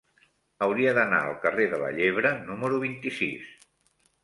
Hauria d'anar al carrer de la Llebre número vint-i-sis.